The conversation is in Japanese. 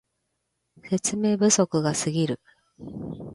説明不足がすぎる